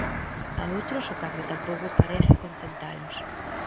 A outros, o cambio tampouco parece contentalos...